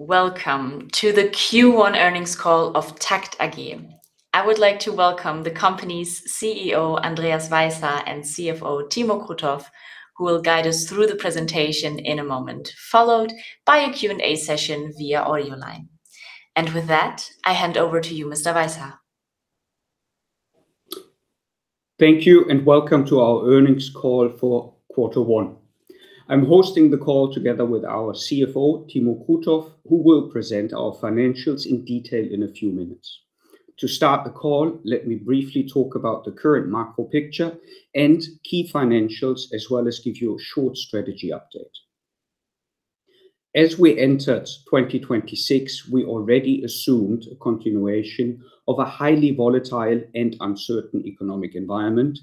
Welcome to the Q1 earnings call of TAKKT AG. I would like to welcome the company's CEO, Andreas Weishaar, and CFO, Timo Krutoff, who will guide us through the presentation in a moment, followed by a Q&A session via audio line. With that, I hand over to you, Mr. Weishaar. Thank you. Welcome to our earnings call for Q1. I'm hosting the call together with our CFO, Timo Krutoff, who will present our financials in detail in a few minutes. To start the call, let me briefly talk about the current macro picture and key financials, as well as give you a short strategy update. As we entered 2026, we already assumed a continuation of a highly volatile and uncertain economic environment.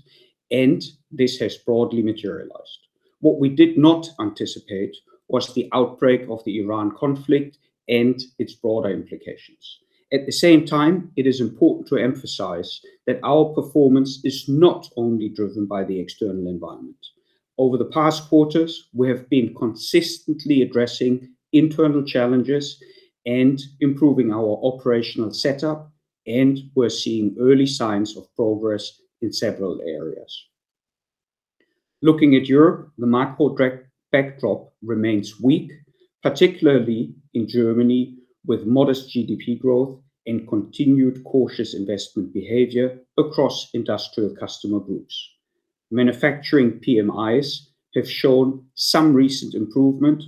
This has broadly materialized. What we did not anticipate was the outbreak of the Iran conflict and its broader implications. At the same time, it is important to emphasize that our performance is not only driven by the external environment. Over the past quarters, we have been consistently addressing internal challenges and improving our operational setup. We're seeing early signs of progress in several areas. Looking at Europe, the macro backdrop remains weak, particularly in Germany, with modest GDP growth and continued cautious investment behavior across industrial customer groups. Manufacturing PMIs have shown some recent improvement,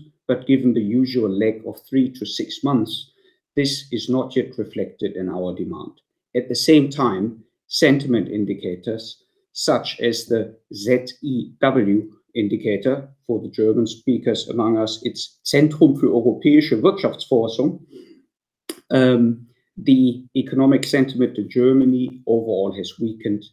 given the usual lag of three to six months, this is not yet reflected in our demand. At the same time, sentiment indicators such as the ZEW indicator, for the German speakers among us, it's Zentrum für Europäische Wirtschaftsforschung. The economic sentiment of Germany overall has weakened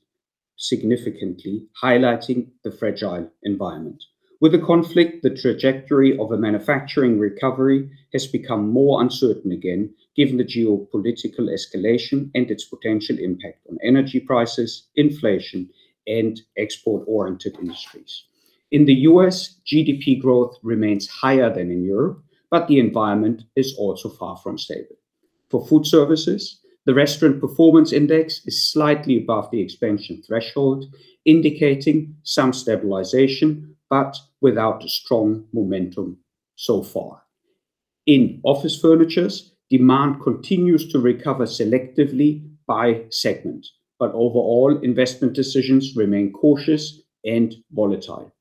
significantly, highlighting the fragile environment. With the conflict, the trajectory of a manufacturing recovery has become more uncertain again, given the geopolitical escalation and its potential impact on energy prices, inflation, and export-oriented industries. In the U.S., GDP growth remains higher than in Europe, the environment is also far from stable. For Foodservices, the Restaurant Performance Index is slightly above the expansion threshold, indicating some stabilization, but without a strong momentum so far. In office furnitures, demand continues to recover selectively by segment, but overall, investment decisions remain cautious and volatile.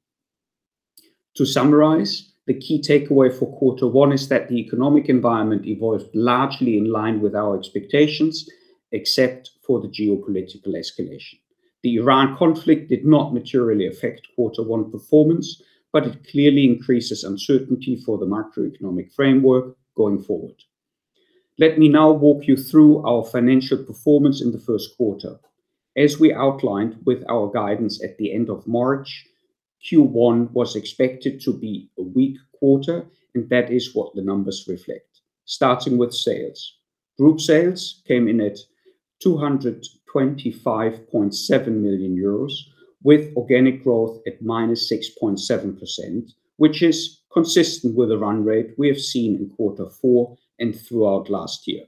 To summarize, the key takeaway for Q1 is that the economic environment evolved largely in line with our expectations, except for the geopolitical escalation. The Iran conflict did not materially affect Q1 performance, but it clearly increases uncertainty for the macroeconomic framework going forward. Let me now walk you through our financial performance in the first quarter. As we outlined with our guidance at the end of March, Q1 was expected to be a weak quarter, and that is what the numbers reflect. Starting with sales. Group sales came in at 225.7 million euros, with organic growth at -6.7%, which is consistent with the run rate we have seen in Q4 and throughout last year.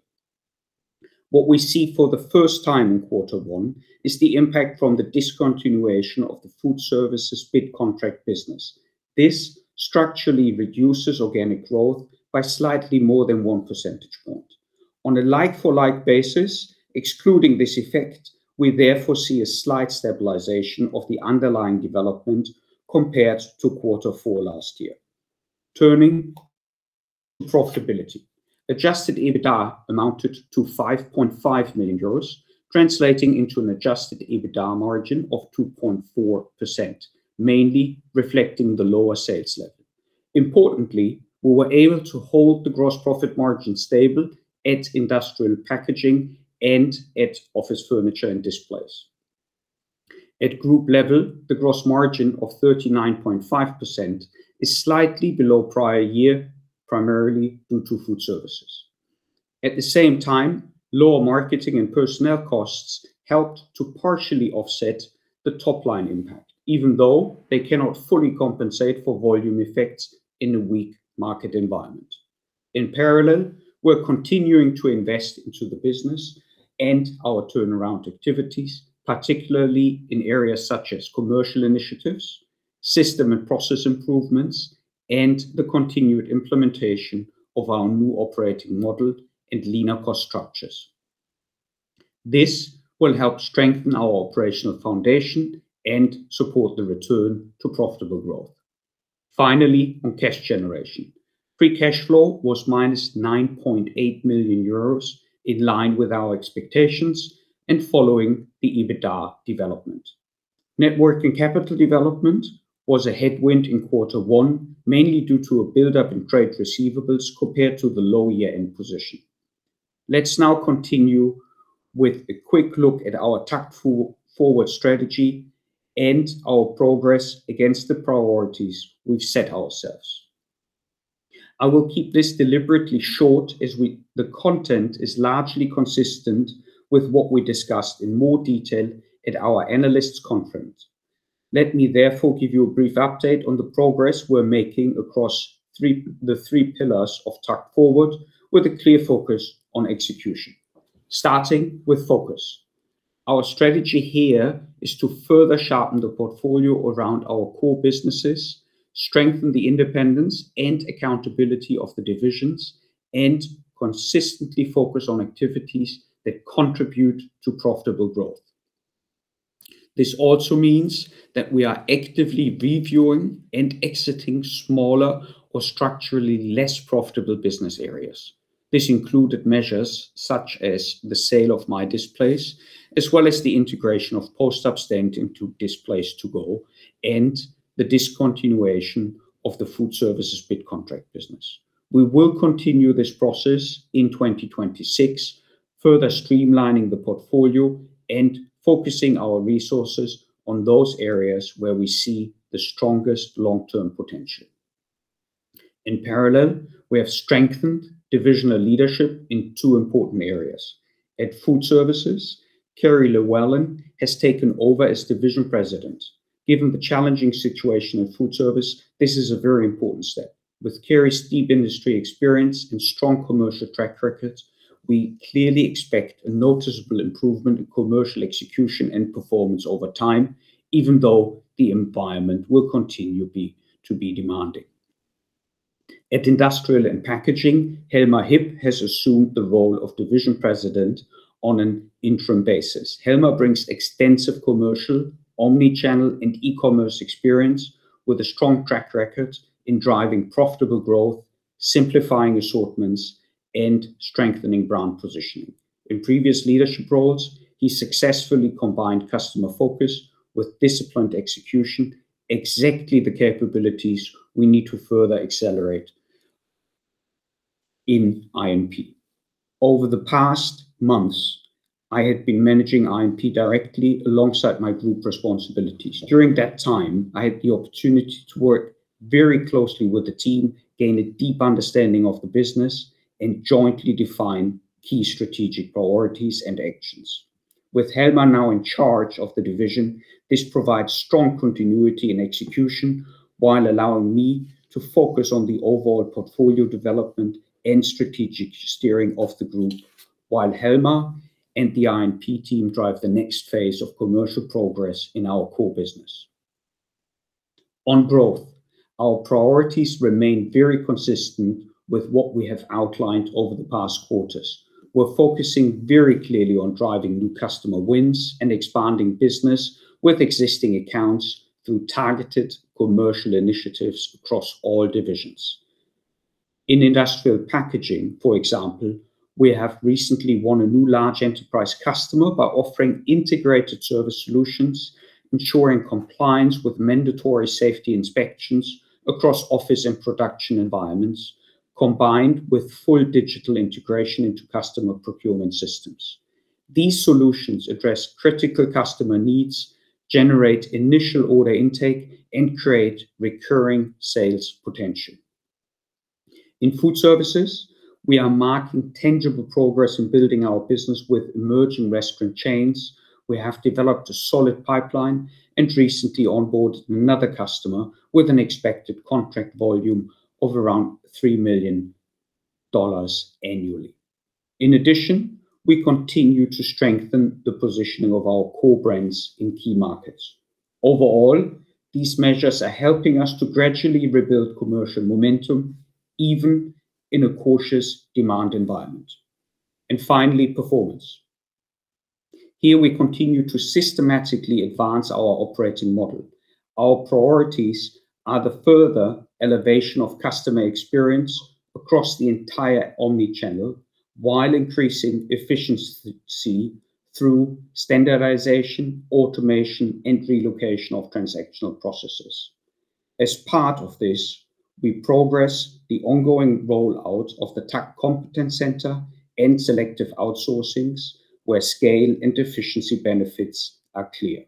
What we see for the first time in Q1 is the impact from the discontinuation of the Foodservices bid contract business. This structurally reduces organic growth by slightly more than 1 percentage point. On a like-for-like basis, excluding this effect, we therefore see a slight stabilization of the underlying development compared to Q4 last year. Turning profitability. Adjusted EBITDA amounted to 5.5 million euros, translating into an adjusted EBITDA margin of 2.4%, mainly reflecting the lower sales level. Importantly, we were able to hold the gross profit margin stable at Industrial & Packaging and at Office Furniture & Displays. At group level, the gross margin of 39.5% is slightly below prior year, primarily due to Foodservices. At the same time, lower marketing and personnel costs helped to partially offset the top-line impact, even though they cannot fully compensate for volume effects in a weak market environment. In parallel, we're continuing to invest into the business and our turnaround activities, particularly in areas such as commercial initiatives, system and process improvements, and the continued implementation of our new operating model and leaner cost structures. This will help strengthen our operational foundation and support the return to profitable growth. Finally, on cash generation. Free cash flow was minus 9.8 million euros, in line with our expectations and following the EBITDA development. Net working capital development was a headwind in Q1, mainly due to a buildup in trade receivables compared to the low year-end position. Let's now continue with a quick look at our TAKKT Forward strategy and our progress against the priorities we've set ourselves. I will keep this deliberately short as the content is largely consistent with what we discussed in more detail at our analysts conference. Let me therefore give you a brief update on the progress we're making across the three pillars of TAKKT Forward with a clear focus on execution. Starting with focus. Our strategy here is to further sharpen the portfolio around our core businesses, strengthen the independence and accountability of the divisions, and consistently focus on activities that contribute to profitable growth. This also means that we are actively reviewing and exiting smaller or structurally less profitable business areas. This included measures such as the sale of Mydisplays, as well as the integration of Post-Up Stand Helmar brings extensive commercial, omnichannel, and e-commerce experience with a strong track record in driving profitable growth, simplifying assortments, and strengthening brand positioning. In previous leadership roles, he successfully combined customer focus with disciplined execution, exactly the capabilities we need to further accelerate in INP. Over the past months, I have been managing INP directly alongside my group responsibilities. During that time, I had the opportunity to work very closely with the team, gain a deep understanding of the business, and jointly define key strategic priorities and actions. With Helmar now in charge of the division, this provides strong continuity and execution while allowing me to focus on the overall portfolio development and strategic steering of the group while Helmar and the INP team drive the next phase of commercial progress in our core business. On growth, our priorities remain very consistent with what we have outlined over the past quarters. We're focusing very clearly on driving new customer wins and expanding business with existing accounts through targeted commercial initiatives across all divisions. In Industrial & Packaging, for example, we have recently won a new large enterprise customer by offering integrated service solutions, ensuring compliance with mandatory safety inspections across office and production environments, combined with full digital integration into customer procurement systems. These solutions address critical customer needs, generate initial order intake, and create recurring sales potential. In Foodservices, we are marking tangible progress in building our business with emerging restaurant chains. We have developed a solid pipeline and recently onboarded another customer with an expected contract volume of around $3 million annually. In addition, we continue to strengthen the positioning of our core brands in key markets. Overall, these measures are helping us to gradually rebuild commercial momentum, even in a cautious demand environment. Finally, performance. Here, we continue to systematically advance our operating model. Our priorities are the further elevation of customer experience across the entire omnichannel, while increasing efficiency through standardization, automation, and relocation of transactional processes. As part of this, we progress the ongoing rollout of the TAKKT Competence Center and selective outsourcings where scale and efficiency benefits are clear.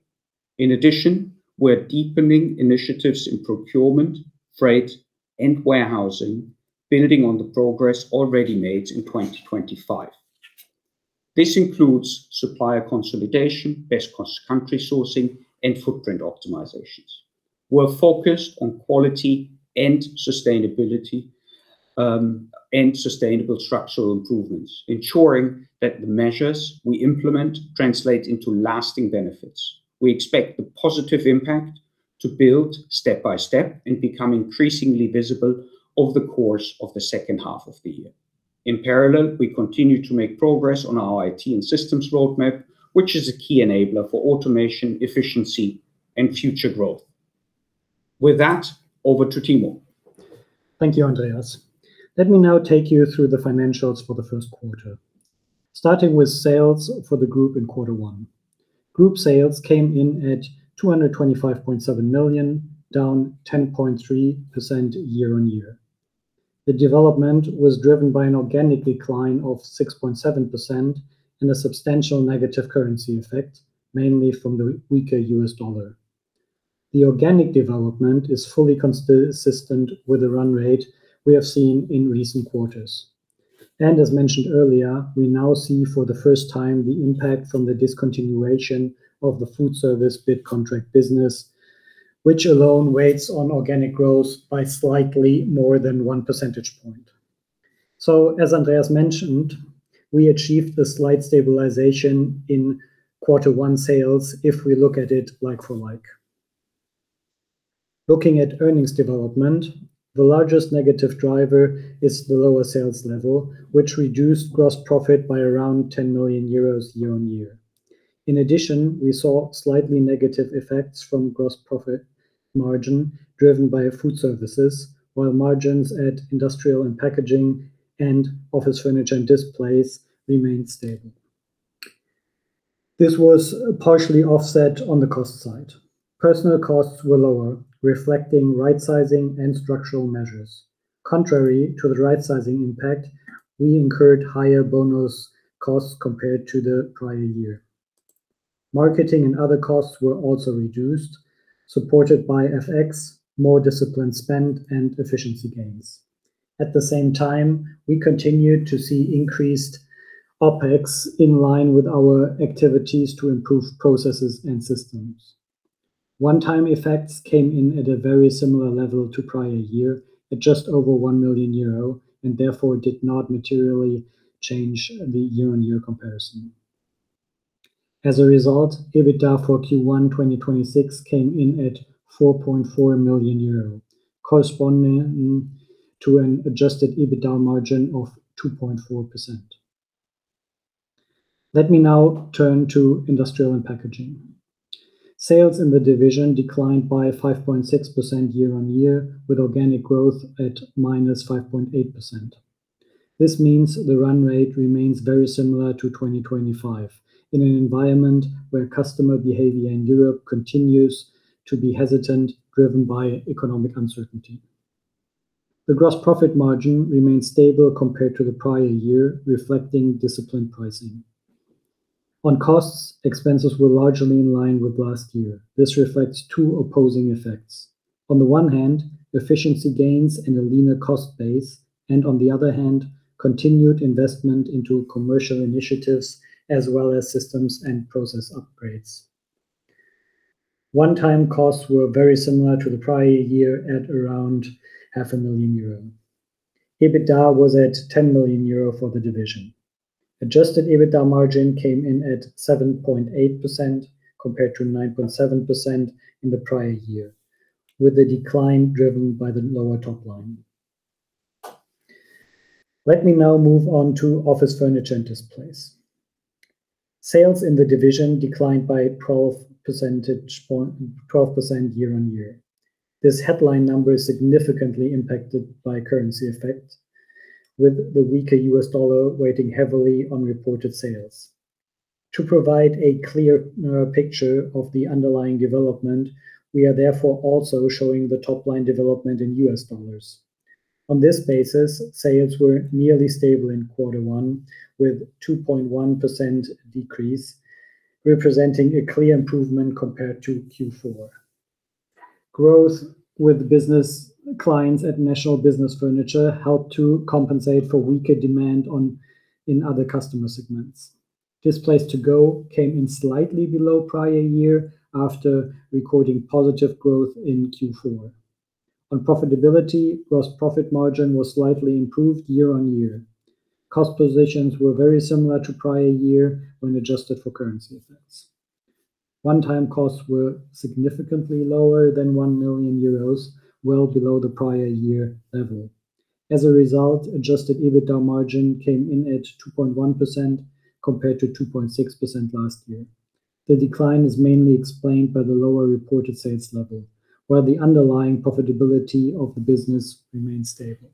In addition, we're deepening initiatives in procurement, freight, and warehousing, building on the progress already made in 2025. This includes supplier consolidation, best cross-country sourcing, and footprint optimizations. We're focused on quality and sustainability and sustainable structural improvements, ensuring that the measures we implement translate into lasting benefits. We expect the positive impact to build step by step and become increasingly visible over the course of the second half of the year. In parallel, we continue to make progress on our IT and systems roadmap, which is a key enabler for automation, efficiency, and future growth. With that, over to Timo. Thank you, Andreas. Let me now take you through the financials for the first quarter. Starting with sales for the group in Q1. Group sales came in at 225.7 million, down 10.3% year-over-year. The development was driven by an organic decline of 6.7% and a substantial negative currency effect, mainly from the weaker U.S. dollar. The organic development is fully consistent with the run rate we have seen in recent quarters. As mentioned earlier, we now see for the first time the impact from the discontinuation of the Foodservices bid contract business, which alone weights on organic growth by slightly more than 1 percentage point. As Andreas mentioned, we achieved the slight stabilization in Q1 sales if we look at it like for like. Looking at earnings development, the largest negative driver is the lower sales level, which reduced gross profit by around 10 million euros year on year. We saw slightly negative effects from gross profit margin driven by Foodservices, while margins at Industrial & Packaging and Office Furniture & Displays remained stable. This was partially offset on the cost side. Personnel costs were lower, reflecting right sizing and structural measures. Contrary to the right sizing impact, we incurred higher bonus costs compared to the prior year. Marketing and other costs were also reduced, supported by FX, more disciplined spend and efficiency gains. We continued to see increased OpEx in line with our activities to improve processes and systems. One time effects came in at a very similar level to prior year at just over 1 million euro and therefore did not materially change the year-on-year comparison. As a result, EBITDA for Q1 2026 came in at 4.4 million euro corresponding to an adjusted EBITDA margin of 2.4%. Let me now turn to Industrial & Packaging. Sales in the division declined by 5.6% year-on-year with organic growth at minus 5.8%. This means the run rate remains very similar to 2025 in an environment where customer behavior in Europe continues to be hesitant driven by economic uncertainty. The gross profit margin remains stable compared to the prior year reflecting disciplined pricing. On costs, expenses were largely in line with last year. This reflects two opposing effects. On the one hand, efficiency gains and a leaner cost base and on the other hand, continued investment into commercial initiatives as well as systems and process upgrades. One-time costs were very similar to the prior year at around 0.5 million euro. EBITDA was at 10 million euro for the division. Adjusted EBITDA margin came in at 7.8% compared to 9.7% in the prior year with the decline driven by the lower top line. Let me now move on to Office Furniture & Displays. Sales in the division declined by 12 percentage points, 12% year-on-year. This headline number is significantly impacted by currency effect with the weaker U.S. dollar weighting heavily on reported sales. To provide a clear picture of the underlying development, we are therefore also showing the top line development in U.S. dollars. On this basis, sales were nearly stable in Q1 with 2.1% decrease representing a clear improvement compared to Q4. Growth with business clients at National Business Furniture helped to compensate for weaker demand in other customer segments. Displays2go came in slightly below prior year after recording positive growth in Q4. On profitability, gross profit margin was slightly improved year-over-year. Cost positions were very similar to prior year when adjusted for currency effects. One-time costs were significantly lower than 1 million euros, well below the prior year level. As a result, adjusted EBITDA margin came in at 2.1% compared to 2.6% last year. The decline is mainly explained by the lower reported sales level, while the underlying profitability of the business remained stable.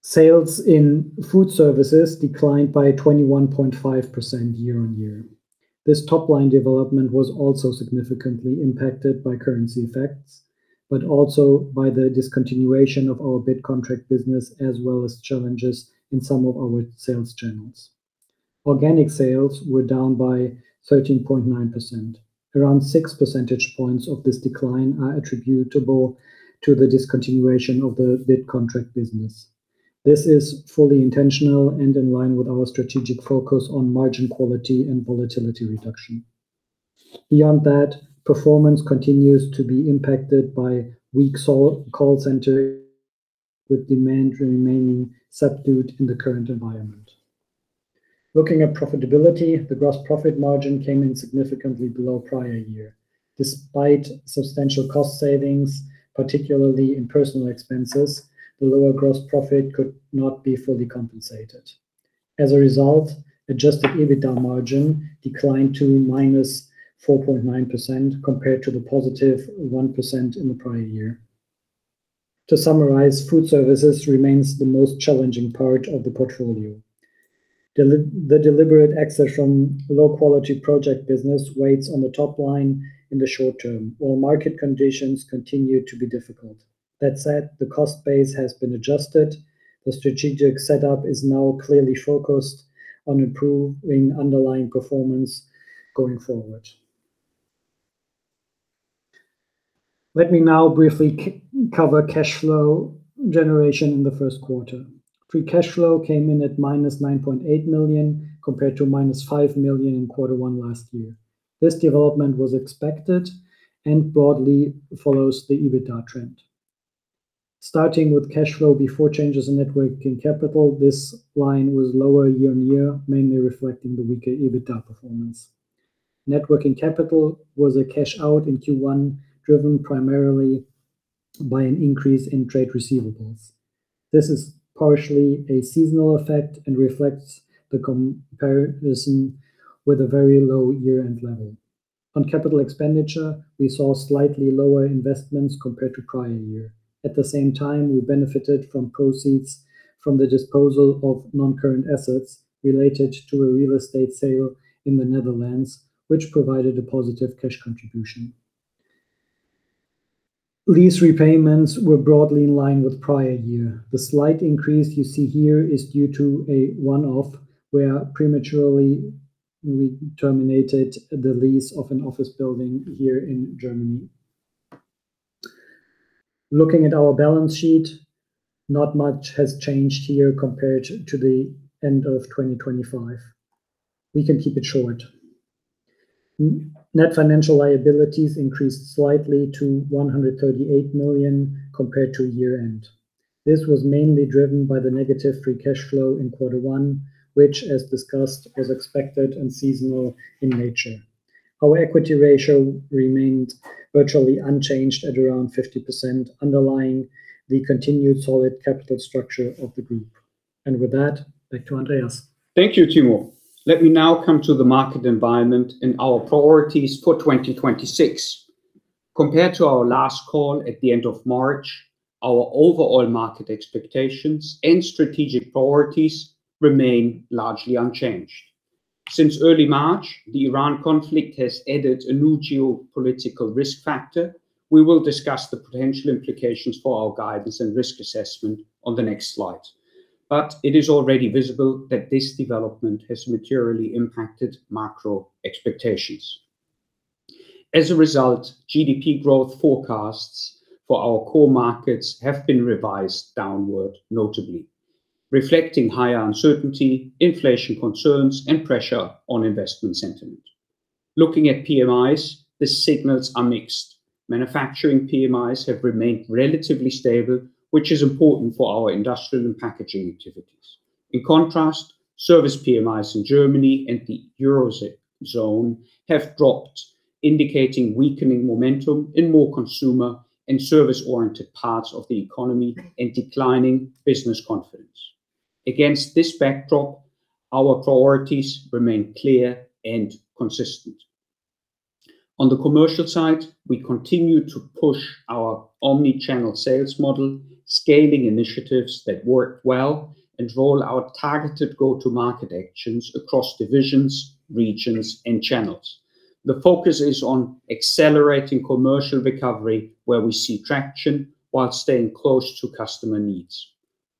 Sales in Foodservices declined by 21.5% year-over-year. This top-line development was also significantly impacted by currency effects, but also by the discontinuation of our bid contract business as well as challenges in some of our sales channels. Organic sales were down by 13.9%. Around 6 percentage points of this decline are attributable to the discontinuation of the bid contract business. This is fully intentional and in line with our strategic focus on margin quality and volatility reduction. Beyond that, performance continues to be impacted by weak call center with demand remaining subdued in the current environment. Looking at profitability, the gross profit margin came in significantly below prior year. Despite substantial cost savings, particularly in personal expenses, the lower gross profit could not be fully compensated. As a result, adjusted EBITDA margin declined to -4.9% compared to the positive 1% in the prior year. To summarize, Foodservices remains the most challenging part of the portfolio. The deliberate exit from low quality bid contract business weights on the top line in the short term while market conditions continue to be difficult. That said, the cost base has been adjusted. The strategic setup is now clearly focused on improving underlying performance going forward. Let me now briefly cover cash flow generation in the first quarter. Free cash flow came in at -9.8 million compared to -5 million in Q1 last year. This development was expected and broadly follows the EBITDA trend. Starting with cash flow before changes in networking capital, this line was lower year-over-year, mainly reflecting the weaker EBITDA performance. Networking capital was a cash out in Q1, driven primarily by an increase in trade receivables. This is partially a seasonal effect and reflects the comparison with a very low year-end level. On capital expenditure, we saw slightly lower investments compared to prior year. At the same time, we benefited from proceeds from the disposal of non-current assets related to a real estate sale in the Netherlands, which provided a positive cash contribution. Lease repayments were broadly in line with prior year. The slight increase you see here is due to a one-off where prematurely we terminated the lease of an office building here in Germany. Looking at our balance sheet, not much has changed here compared to the end of 2025. We can keep it short. Net financial liabilities increased slightly to 138 million compared to year-end. This was mainly driven by the negative free cash flow in quarter one, which as discussed, was expected and seasonal in nature. Our equity ratio remained virtually unchanged at around 50% underlying the continued solid capital structure of the group. With that, back to Andreas. Thank you, Timo. Let me now come to the market environment and our priorities for 2026. Compared to our last call at the end of March, our overall market expectations and strategic priorities remain largely unchanged. Since early March, the Iran conflict has added a new geopolitical risk factor. We will discuss the potential implications for our guidance and risk assessment on the next slide. It is already visible that this development has materially impacted macro expectations. As a result, GDP growth forecasts for our core markets have been revised downward, notably reflecting higher uncertainty, inflation concerns, and pressure on investment sentiment. Looking at PMIs, the signals are mixed. Manufacturing PMIs have remained relatively stable, which is important for our Industrial & Packaging activities. In contrast, service PMIs in Germany and the Eurozone have dropped, indicating weakening momentum in more consumer and service-oriented parts of the economy and declining business confidence. Against this backdrop, our priorities remain clear and consistent. On the commercial side, we continue to push our omnichannel sales model, scaling initiatives that work well, and roll out targeted go-to-market actions across divisions, regions, and channels. The focus is on accelerating commercial recovery where we see traction while staying close to customer needs.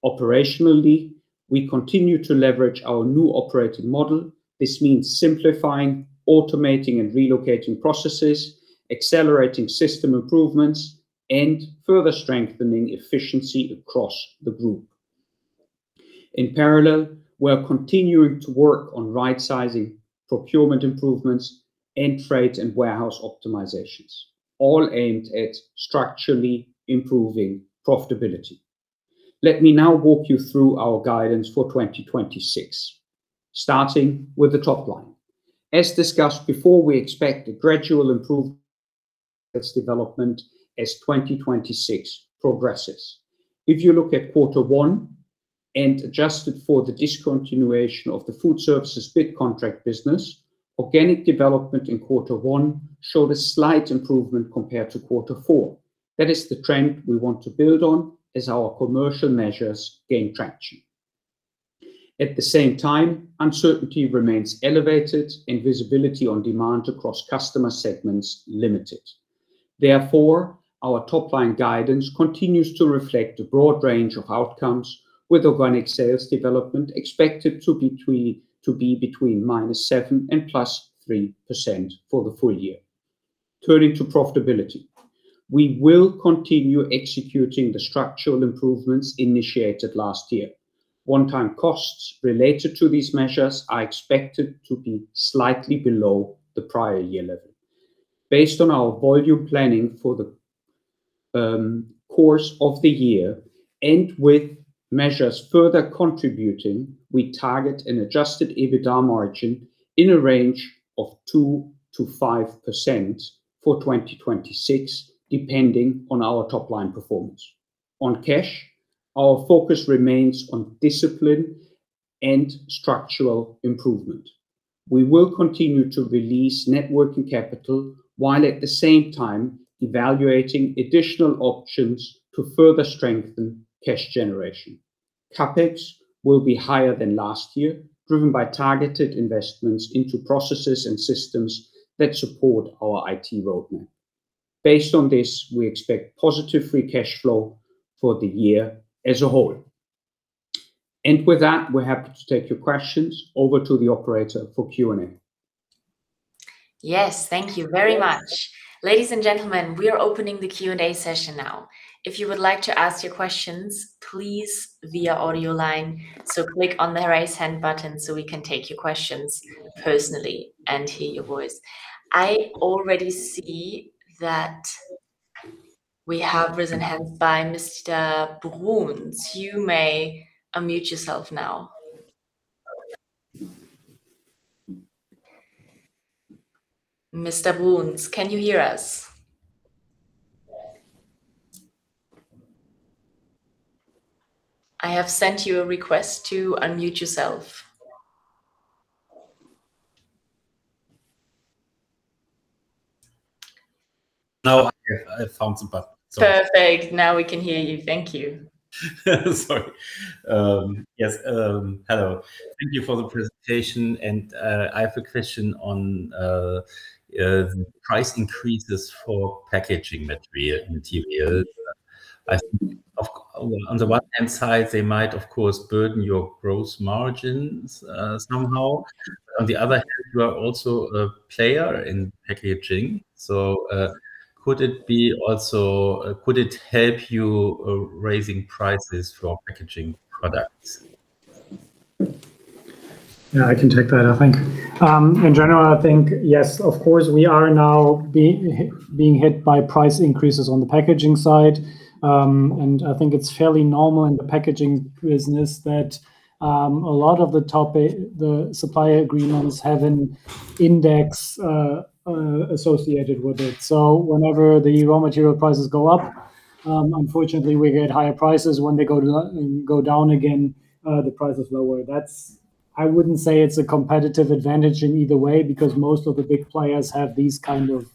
Operationally, we continue to leverage our new operating model. This means simplifying, automating, and relocating processes, accelerating system improvements, and further strengthening efficiency across the group. In parallel, we're continuing to work on right-sizing procurement improvements and freight and warehouse optimizations, all aimed at structurally improving profitability. Let me now walk you through our guidance for 2026, starting with the top line. As discussed before, we expect a gradual improvement in sales development as 2026 progresses. If you look at Q1 and adjusted for the discontinuation of the Foodservices bid contract business, organic development in Q1 showed a slight improvement compared to Q1. That is the trend we want to build on as our commercial measures gain traction. At the same time, uncertainty remains elevated and visibility on demand across customer segments limited. Therefore, our top-line guidance continues to reflect a broad range of outcomes with organic sales development expected to be between -7% and +3% for the full year. Turning to profitability. We will continue executing the structural improvements initiated last year. One-time costs related to these measures are expected to be slightly below the prior year level. Based on our volume planning for the course of the year and with measures further contributing, we target an adjusted EBITDA margin in a range of 2%-5% for 2026, depending on our top-line performance. On cash, our focus remains on discipline and structural improvement. We will continue to release net working capital, while at the same time evaluating additional options to further strengthen cash generation. CapEx will be higher than last year, driven by targeted investments into processes and systems that support our IT roadmap. Based on this, we expect positive free cash flow for the year as a whole. With that, we're happy to take your questions. Over to the operator for Q&A. Thank you very much. Ladies and gentlemen, we are opening the Q&A session now. If you would like to ask your questions, please via audio line, so click on the Raise Hand button so we can take your questions personally and hear your voice. I already see that we have a risen hand by Mr. Bruns. You may unmute yourself now. Mr. Bruns, can you hear us? I have sent you a request to unmute yourself. Now I hear. I found the button, so. Perfect. Now we can hear you. Thank you. Sorry. Yes, hello. Thank you for the presentation. I have a question on price increases for packaging materials. On the one hand side, they might, of course, burden your gross margins somehow. On the other hand, you are also a player in packaging, so could it be also, could it help you raising prices for packaging products? Yeah, I can take that, I think. In general, I think, yes, of course, we are now being hit by price increases on the packaging side. I think it's fairly normal in the packaging business that a lot of the top the supplier agreements have an index associated with it. Whenever the raw material prices go up, unfortunately, we get higher prices. When they go down again, the price is lower. I wouldn't say it's a competitive advantage in either way, because most of the big players have these kind of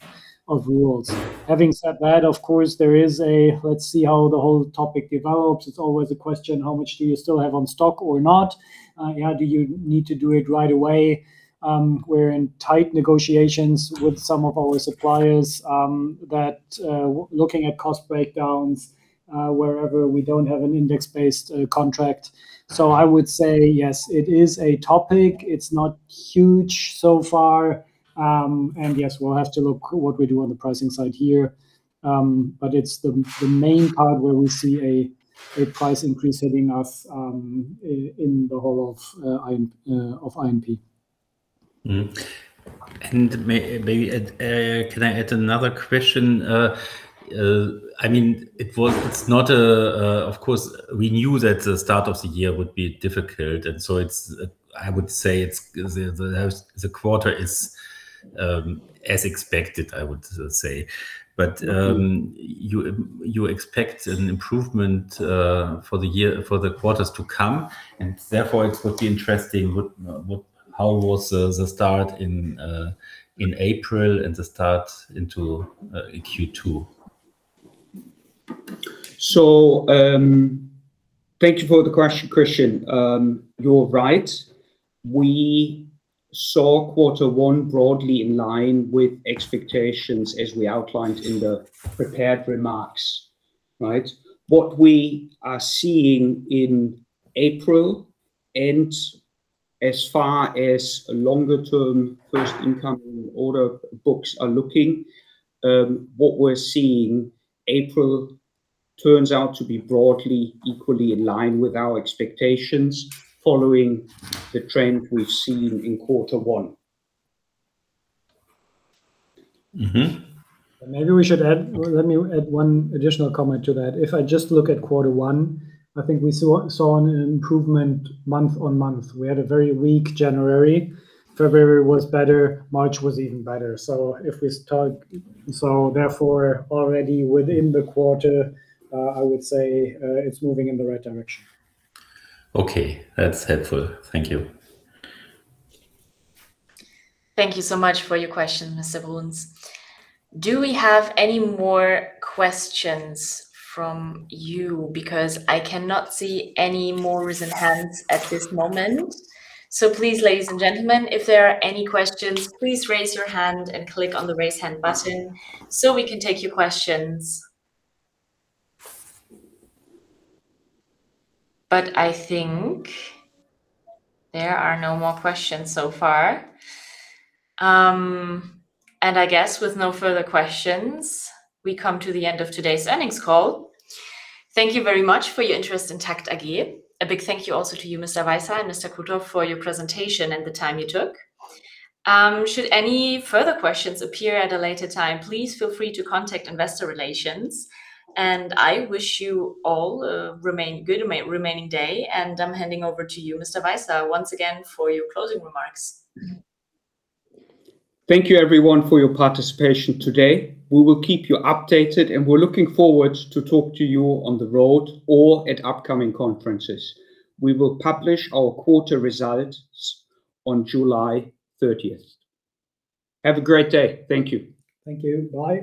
rules. Having said that, of course, there is a let's see how the whole topic develops. It's always a question, how much do you still have on stock or not? You know, do you need to do it right away? We're in tight negotiations with some of our suppliers, that, looking at cost breakdowns, wherever we don't have an index-based contract. I would say yes, it is a topic. It's not huge so far. Yes, we'll have to look what we do on the pricing side here. It's the main part where we see a price increase hitting us, in the whole of INP. Mm-hmm. Maybe at, can I add another question? I mean, it was, it's not of course, we knew that the start of the year would be difficult, it's I would say it's, the, the house, the quarter is as expected, I would say. You, you expect an improvement for the year, for the quarters to come, it would be interesting what, how was the start in April and the start into Q2? Thank you for the question, Christian. You are right. We saw Q1 broadly in line with expectations as we outlined in the prepared remarks, right? What we are seeing in April, and as far as longer term first incoming order books are looking, what we are seeing April turns out to be broadly equally in line with our expectations following the trend we have seen in Q1. Mm-hmm. Maybe we should add, let me add one additional comment to that. If I just look at Q1, I think we saw an improvement month-on-month. We had a very weak January. February was better, March was even better. Therefore, already within the quarter, I would say, it's moving in the right direction. Okay. That's helpful. Thank you. Thank you so much for your question, Mr. Bruns. Do we have any more questions from you? Because I cannot see any more risen hands at this moment. Please, ladies and gentlemen, if there are any questions, please raise your hand and click on the Raise Hand button so we can take your questions. I think there are no more questions so far. I guess with no further questions, we come to the end of today's earnings call. Thank you very much for your interest in TAKKT AG. A big thank you also to you, Mr. Weishaar and Mr. Krutoff, for your presentation and the time you took. Should any further questions appear at a later time, please feel free to contact investor relations. I wish you all a remaining day, and I'm handing over to you, Mr. Weishaar, once again for your closing remarks. Thank you everyone for your participation today. We will keep you updated, and we're looking forward to talk to you on the road or at upcoming conferences. We will publish our quarter results on July 30th. Have a great day. Thank you. Thank you. Bye.